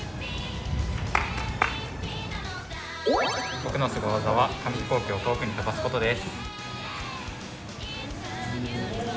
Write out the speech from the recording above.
僕のすご技は紙飛行機を遠くに飛ばすことです。